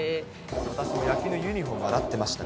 私も野球のユニホーム洗ってました。